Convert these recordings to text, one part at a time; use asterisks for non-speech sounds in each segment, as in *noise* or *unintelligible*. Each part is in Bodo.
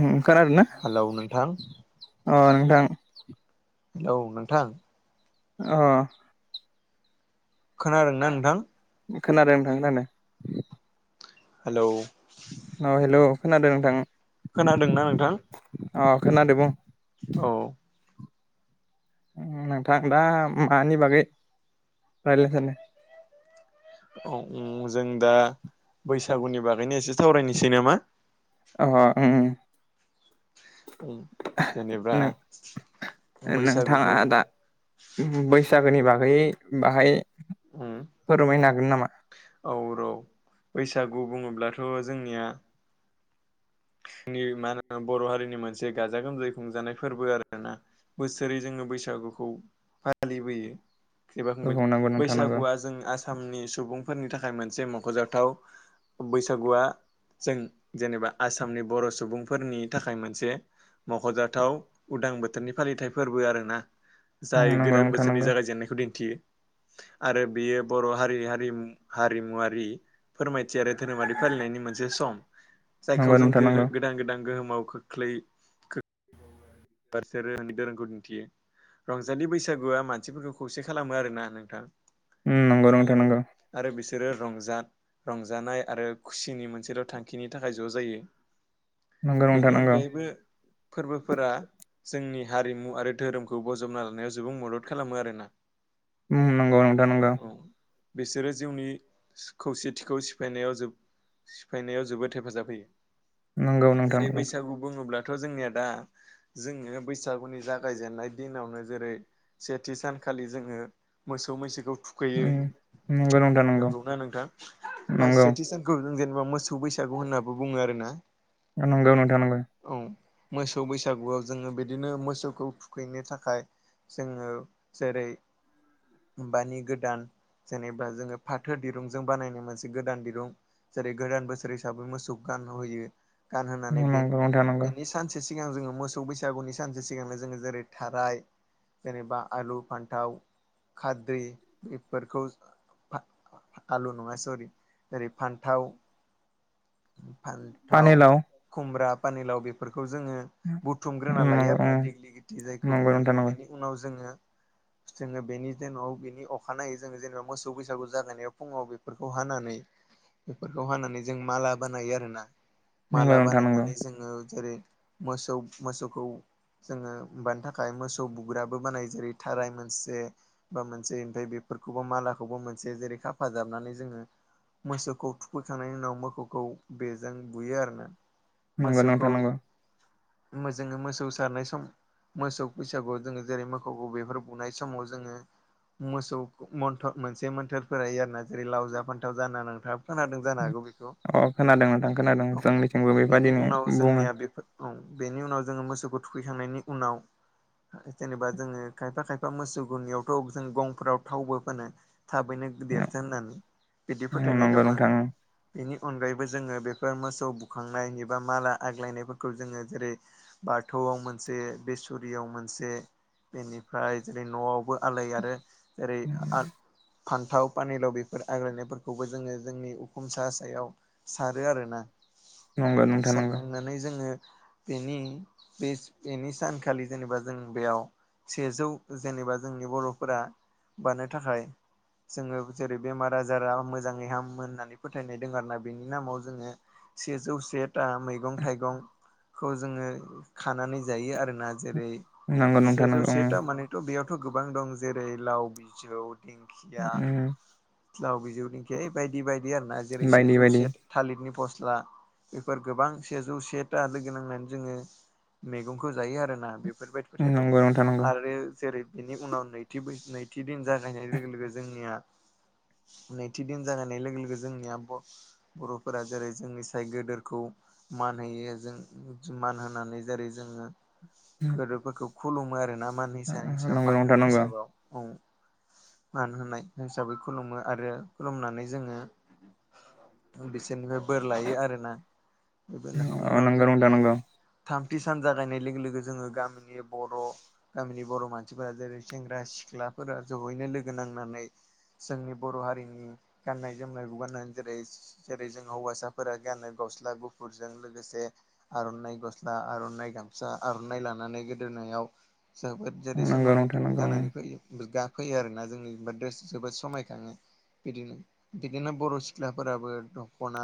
उम खोनादोंना हेलौ नोंथां अ नोंथां औ नोंथां अह खोनादोंना नोंथां खोनादों नोंथां खोनादो हेलौ अ हेलौ खोनादों नोंथां खोनादोंना नोंथां अ खोनादों बुं औ नोंथां दा मानि बागै रायलायनो सानदों ओम जों दा बैसागुनि बागैनो एसे सावरायनोसै नामा अ ओं ओं उम जेनेबा बैसागुखौ नो-नोंथाङा दा बैसागोनि बागै बाहाय उम फोरमायनो हागोन नामा औ रौ बैसागु बुङोब्लाथ' जोंनिया नि मा होनो बर' हारिनि मोनसे गाजा गोमजायै खुंजानाय फोरबो आरोना बोसोरै जोङो बैसागुखौ फालिबोयो एबा औ खुबोयो नंगौ नोंथां नंगौ बैसागुआ जों आ आसामनि सुबुंफोरनि थाखाय मोनसे मख'जाथाव बैसागुआ जों जेनेबा आसामनि बर' सुबुंफोरनि थाखाय मोनसे मख'जाथाव उदां बोथोरनि फालिथाय फोरबो आरोना उम जाय नंगौ गोदान नोंथां बोसोरनि नंगौ जागायजेननायखौ दिन्थियो आरो बियो बर' हारि हारि हारिमुवारि फोरमायथि आरो धोरोमारि फालिनायनि मोनसे सम खौ नंगौ जों नोंथां गो नंगौ गोदान गोदान गोहोमाव खोख्लै खोख्लै बारसे रोनि दो *inaudible* रोंखौ दिन्थियो रंजालि बैसागुआ मानसिफोरखौ खौसे खालामो आरोना नोंथां उम नंगौ आरो नोंथां नंगौ आरो बिसोरो बिसोरो रंजा रंजानाय आरो खुसिनि मोनसेल' थांखिनि थाखाय ज' जायो नंगौ नोंथां बेनि नंगौ अनगायैबो फोरबोफोरा जोंनि हारिमु आरो धोरोमखौ बजबना लानायाव जोबोद मदद खालामो आरोना उम नंगौ नोंथां नंगौ औ बिसोरो जिउनि खौसेथिखौ सिफायनायाव सिफायनायाव जोबोद हेफाजाब होयो नंगौ नोंथां जेरै नंगौ बैसागु बुङोब्लाथ' जोंनिया दा जोङो बैसागुनि जागायजेननाय दिनावनो जेरै सेथि सानखालि जोङो मोसौ मोसौ मैसोखौ थुखैयो उम नंगौ नोंथां नंगौ नोंगौना नोंथां नंगौ फास सेथि सानखौ जों जेनेबा मोसौ बैसागु होननानै बुङो आरो ना नंगौ नोंथां नांगौ मोसौ बैसागुआव जोङो बिदिनो मोसौखौ थुखैनो थाखाय जोङो जेरै बानि गोदान जेनेबा जोङो फाथो दिरुंजों बानायनाय मोनसे गोदान दिरुं जेरै गोदान बोसोर हिसाबै मोसौखो गान होयो गानहोनानै बे नंगौ नोंथां नंगौ बेनि सानसे सिगां सिगां जोङो मोसौ बैसागुनि सानसे सिगांनो जोङो जेरै थाराय जेनेबा आलु फान्थाव खाद्रि बेफोरखौ खा *inaudible* आलु नङा सरि ओरै फान्थाव फानथाव पानिलाव खुमब्रा पानिलाव बेफोरखौ खौ जोङो बुथुमग्रोना नंगौ लायो आरोना ओं देग्लि लिथि जायखौ नंगौ बुङो नोंथां रोङो नंगौ बेनि उनाव जोङो *inaudible* जोङो बेनि जेनाव बिनि अखानायै जोङो जेनेबा मोसौ बैसागु जागायनायाव फुङाव बेफोरखौ हानानै बेफोरखौ हानानै जों माला बानायो आरोना नंगौ माला नोंथां नंगौ बानायनानै जोङो जेरै मोसौ मोसौखौ जोङो मानि थाखाय मोसौ बुग्राबो बानायो जेरै थाराय मोनसे बा मोनसे ओमफ्राय बे फोरखौबो मालाखौबो मोनसे जेरै खाफााजाबनानै जोङो मोसौखौ थुखैखांनायनि उनाव मोसौ खौ बेजों बुयो आरोना नंगौ मोसौखौ नोंथां नंगौ जोङो मोसौ सारनाय सम मोसौ बैसागु जोङो जेरै मोसौ बेफोर बुनाय समाव जोङो मोसौथ मोनसे मोन्थोरफोरा आरो ना जेरै लावजा फान्थाव जाना नथ खोनादों जानो हागौ बेखौ अ खोनादों नोंथां खोनादों औ जोंनिथिंबो बेनि बेबायदिनो उनाव बुङो जोंनिया बेफोर औ बेनि उनाव जोङो मोसौखौ थुखैखांनायनि उनाव जेनेबा जोङो खायफा खायफा मोसौ गुनियावथ' जों गंफोराव थावबो फोनो थाबैनो देरथो होननानै बिदि फोथायनाय नंगौ दं नोंथां आरो बेनि अनगायैबो जोङो बेफोर मोसौ बुखांनाय एबा माला आग्लायनायफोरखौ जोङो जेरै बाथौ थुआव मोनसे बेसुरियाव मोनसे बेनिफ्राय जेरै न'आवबो आलै आरो जेरै फान्थाव पानिलाव बेफोर आग्लायनायफोरखौबो जोङो जोंनि उखुम सा सायाव सारो आरोना नंगौ नोंथां नंगौ सारखांनानै जोङो बेनि बेस बेनि सानखालि जेनेबा जों बेयाव सेजौ जेनेबा जोंनि बर'फोरा बारनो थाखाय जोङो जेरै बेमार आजारा मोजाङै हामो होननानै फोथायनाय दोङो आरो ना बेनि नामाव जोङो सेजौ सेथा मैगं- थाइगं खौ जोङो खानानै जायो आरोना जेरै नंगौ नोंथां सेजौ नंगौ सेथा मानेथ' बेयाव थ गोबां दं जेरै लाव बिजौ ओं दिंखिया ओम लाव बिजौनिखे ओइ बायदि बायदि आरोना जेरै से बायदि जौस बायदि थालिदनि फस्ला बेफोर गोबां सेजौ सेटा लोगो नांनानै जोङो मेगंखो जायो आरो ना बेफोरबायदिफोर फोथायदों नंगौ नोंथां नंगौ आरो जेरै बेनि उनाव नैथि बै नैथि दिन जागायनाय लोगो लोगो जोंनिया नैथि दिन जाहोनाय लोगो लोगो जोंनि आब' बर'फोरा जेरै जोंनि साय गोदोरखौ मान होयो जों *unintelligible* मान होनानै जेरै जों ङो गोदोरफोरखौ खुलुमो आरोना मान हिसा हिसाब नंगौ मान नोंथां होनाय नंगौ हिसाबाव औ मान होनाय हिसाबै खुलुमो आरो खुलुमनानै जोङो उम बिसोरनिफ्राय बोर लायो आरोना *unintelligible* लाखांनायनि अ उनाव नंगौ नोंथां जोंनिया नंगौ थाम थि सान जागायनाय लोगो लोगो जोङो गामिनि बर' गामिनि बर' मानसिफोरा जेरै सेंग्रा सिख्ला फोरा जहैनो लोगो नांनानै जोंनि बर' हारिनि गान्नाय जोमनायखौ गाननानै जेरै जेरै जों हौवासाफोरा गानो गस्ला गुफुरजों लोगोसे आर'नाइ गस्ला आर'नाइ ग गामसा आर'नाइ लानानै गोदोनायाव जोबोद जेरै नंगौ नोंथां सोमोनांथाव नंगौ जानानै फैयो *unintelligible* फैयो आरोना जोंनिबा द्रेस जोबोद समायखाङो बिदिनो बिदिनो बर' सिख्लाफोराबो दख'ना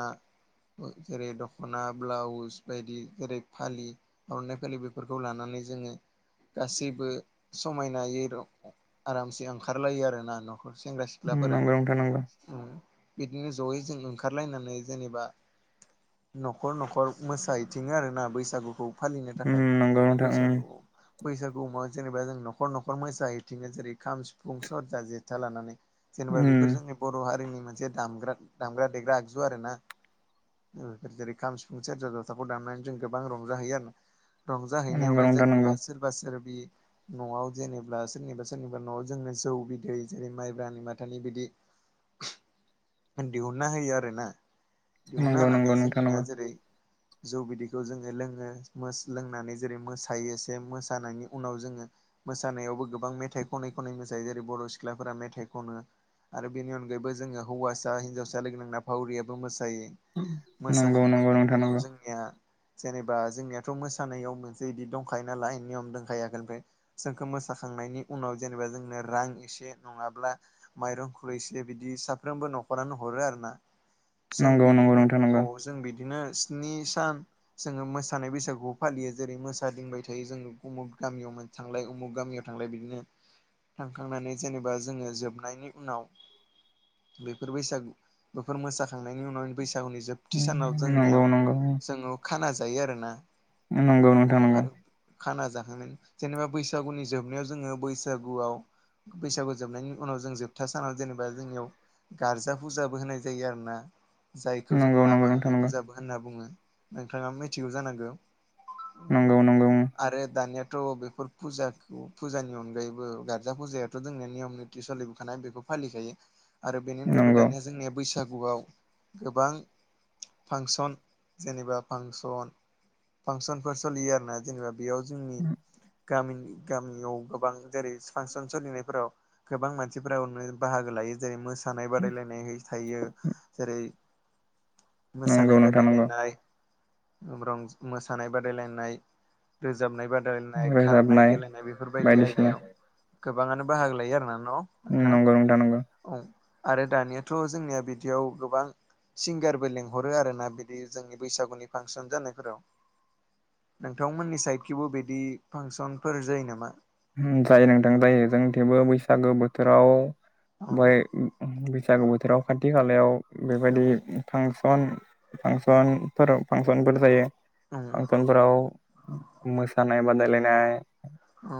ओ जेरै दख'ना ब्लाउस बायदि जेरै फालि आर'नाइ फालि बेफोरखौ लानान जोङो गासैबो समायनायै र आरामसे ओंखारलायो आरो ना न' खर सेंग्रा ओम सिख्लाफोरा नंगौ नोंथां नंगौ उम बिदिनो ज'यै जों ओंख खारलायनानै जेनेबा न'खर न'खर मोसाहैथिङो आरोना बैसागुखौ फालिनो ओम थाखाय नंगौ नोंथां ओम बैसागुआव बैसागु मा जेनेबा जों न'खर न'खर मोसाहैथिङो जेरै खाम सिफुं सेतजा जेथा लानानै जेनेबा ओम बेफोर जोंनि बर' हारिनि मोनसे दाम दामग्रा देग्रा आगजु आरोना उम फोर जेरै खाम सिफुं सेरजा जथाखौ दामनानै जों गोबां रंजाहैयो आरोना नंगौ रंजाहैनायावनो नोंथां जोंनिया नंगौ सोरबा सोर बि न'आव जेनेब्ला सोरनिबा सोरनिबा न'आव जोंनो जौ बिदै जेरै माइब्रानि माथानि बिदि *unintelligible* दिहुनना होयो आरोना दिहुनना नंगौ होनानै नंगौ नोंथां जोंनिया नंगौ जेरै जौ बिदिखौ जोङो लोङो मोस लोंनानै जेरै मोसायो से मोसानायनि उनाव जोङो मोसानायावबो गोबां मेथाइ खनै खनै मोसायो जेरै बर' सिख्लाफोरा मेथाइ खनो आरो बेनि अनगायैबो जोङो हौवासा हिनजावस सा लोगो नांना भावरियाबो मोसायो नंगौ नंगौ मोसाखांनायनि नोंथां उनाव नंगौ जोंनिया जेनेबा जोंनियाथ' मोसानायाव मोनसे इदि दंखायो नालाय नियम दंखायो आगोल ओमफ्राय जोंखो मोसाखां नायनि उनाव जेनेबा जोंनो रां एसे नङाब्ला माइरं एसे बिदि साफ्रोबो न'खरानो नख हरो आरोना जों नंगौ नंगौ बिदिनो नोंथां नंगौ औ जों बि दिनो स्नि सान जोङो मोसानाय बैसागुबो फालियो जेरै मोसादिंबाय थायो जोङो गुमुग गामियाव मोन थांलाय उमुख गामियाव थांलाय बिदिनो थांखांनानै जेनेबा जोङो जोबनायनि उनाव बेफोर बैसागु बेफोर मोसाखांनायनि उनाव बैसागुनि जोबथि सानाव नंगौ जोंनियाव नंगौ जोङो खाना जायो आरोना। नंगौ अ नोंथां नंगौ। आरो खाना जाखांगोन जेनेबा बैसागुनि जोबनायाव जोङो बैसागुआव बैसागु जोबनायनि उनाव जों जोबथा सानाव जेनेबा जोंनियाव गारजा फुजाबो होनाय जायो आरो ना जायखौ जों नंगौ नंगौ नंगौ लामा *unintelligible* नोंथां होनना बुङो। नोंथाङा मिथिगौ जानांगौ। नंगौ नंगौ ओं आरो *unintelligible* बेफोर फुजा फुजानि अनगायैबो गारजा फुजायाथ' जोंनि नियम निथि सोलिबोखानाय बेखौ फालिखायो आरो बेनि अनगायैबो दा नंगौ बैसागुआव गोबां फांसन जेनेबा फांसन फांसनफोर सोलियो आरोना जेनेबा बेयाव जोंनि गामिनि गामियाव गोबां जेरै फांसन सोलिनायफोराव गोबां मानसिफोरानो बाहागो लायो। जेरै मोसानाय बादायलायनाय। थायो जेरै नंगौ मोसानाय नोंथां नंगौ बादायलायनाय रं मोसानाय बादायलायनाय रोजाबनाय बाद दायलायनाय खारनाय रोजाबनाय गेलेनाय बेफोरबायदि बायदिसिना आयदायाव गोबाङानो बाहागो लायो आरोना। नोंथां नंगौ नोंथां नंगौ। औ आरो दानियाथ' जोंनिया बिदियाव गोबां सिंगारबो लेंहरो आरो ना बिदि जोंनि बैसागुनि फांसन जानायफोराव। नोंथांमोननि साइदखिबो बिदि फांसनफोर जायो नामा? जायो नोंथां जायो जों थेवबो बैसागो बोथोराव औ बाय बैसागु बोथोराव खाथि खालायाव औ बेबायदि फां सन फांसनफोराव फांसनफोर जायो औ फांसनफोराव मोसानाय बादायलायनाय औ।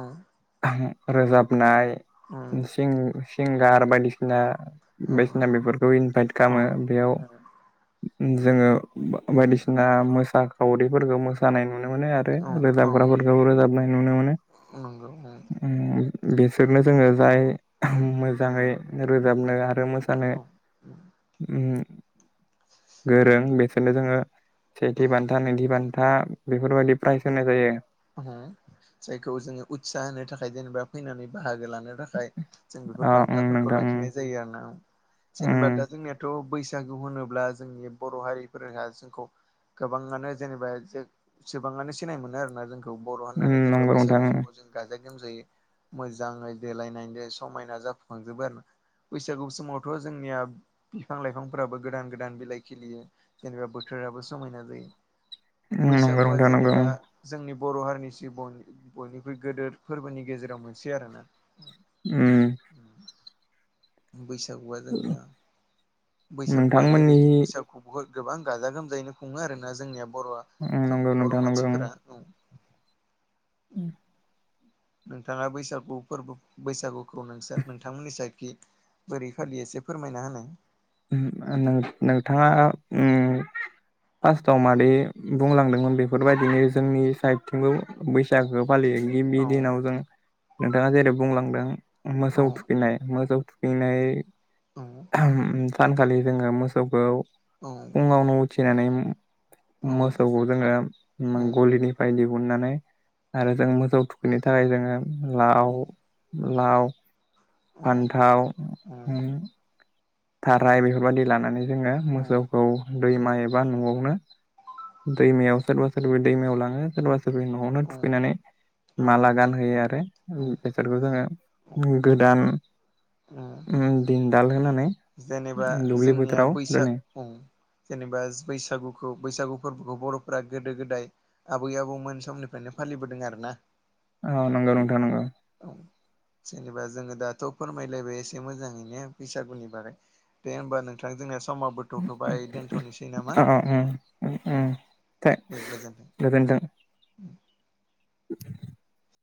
रोजाबनाय औ सिं-सिंगार बायदिसिना। बायदिसिना बेफोरखौ इनभाइट खालामो बेयाव जोङो औ बायदिसिना मोसा खावरिफोरखौ मोसानाय नुनो मोनो आरो औ औ रोजाबग्राफोरखौ रोजाबनाय नुनो मोनो। नंगौ औ ओम बिसोरनो जोङो जाय मोजाङै रोजाबनो आरो मोसानो ओम गोरों बेसोरनो जोङो औ सेथि बान्था नैथि बान था बेफोरबायदि प्राइज होनाय जायो। जायखौ जोङो उत्साह होनो थाखाय जेनेबा फैनानै बाहागो लानो। बेनि थाखाय जों अ बेफोर उम बान्था फोरखौ नोंथां उम लाखिनाय जायो आरोना जेनेबा दा जोंनिथ' बैसा सागु होनोब्ला जोंनि बर' हारिफोरहा जोंखौ गोबाङानो जेनेबा सिबाङानो सिनाय मोनो आरोना जों खौ बर' उम होननानै जेनेबा नंगौ नोंथां बैसागु समाव जों गाजा गोमजाङै मोजाङै देलायनायजों समायना जाफुंखांजोबो आरो। बैसागु समावथ' जोंनिया बिफां लाइफांफोराबो गोदान- गोदान बिलाइ खिलियो जेनेबा बोथोर फोराबो समायना जायो नंगौ बैसागुआ नोंथां नंगौ जेनेबा उम जोंनि बर' हारिनिसि बयनिख्रुइ गदेर फोरबोनि गेजेराव मोनसे आरोना। उम। बैसागुआ जोंनिया बैसागुआ जेरै जों नोंथांमोननि बैसागु बहुद गोबां गाजा -गोमजायैनो खुङो आरोना जोंनिया बर'आ उम जों नंगौ बर' नोंथां नंगौ मानसिफोरा औ। उम। नोंथाङा बैसागु फोरबो बैसागुखौ नोंसोर नोंथांमोननि साय बोरैखाालि एसे फोरमायना होनो। नों-नोंथाङा उम फार्स्टआव मादै बुंलांदोंमोन बेफोरबायदिनो जोंनि साइडथिंबो बैसागो फालियो गिबि औ दिनाव जों नोंथाङा जेरै बुंलांदों औ मोसौ थुखैनाय मोसौ थुखैनाय औ सानखालि जोङो मोसौखौ औ फुङावनो उथिनानै औ मोसौखौ जोङो औ गलिनिफ्राय दिहु दिहुननानै आरो जों मोजौ थुखैनो थाखाय जोङो लाव औ लाव, औ फान्थाव अम थाराय बेफोरबायाददि लानानै जोङो मोसौखौ दैमा एबा न'आवनो दैमायाव सोरबा सोरबा दैमायाव लाङो सोरबा सोरब न'आवनो औ थुखैनानै माला गानहोयो आरो औ बेसखौ जोङो गोदान औ उम दिन दाल होनानै जेनेबा दुब्लि जोंनिया बोथोराव दोनो बैसागु जेनेबा बैसागुखौ बैसागु फोरबोखौ बर'फोरा गोदो-गोदाय आबै-आबौमोन समनिफ्रायनो फालिबोदों आरो ना। औ नंगौ नोंथां नंगौ। जेनेबा जोङो दाथ' फोरमायलायबाय एसे मोजाङैनो बैसागुनि बारै दे हबा नोंथां जोंना स समाबो थ'थ'बाय दोनथ'नोसै नामा? अम दे गोजोनथों। *unintelligible*